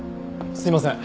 すいません。